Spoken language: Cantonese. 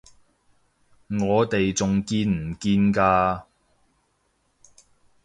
我哋仲見唔見㗎？